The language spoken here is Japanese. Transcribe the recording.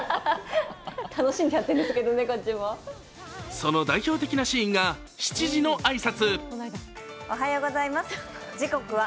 その代表的なシーンが７時の挨拶。